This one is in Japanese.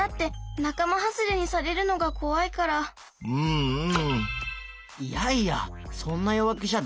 うんうん。